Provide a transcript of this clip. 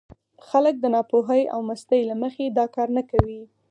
خلک د ناپوهۍ او مستۍ له مخې دا کار نه کوي.